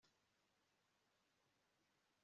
gusa maze igihe mubona